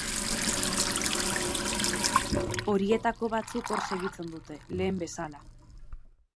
Horietako batzuk, hor segitzen dute, lehen bezala.